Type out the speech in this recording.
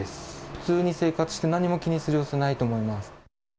普通に生活して何も気にする様子はないと思います。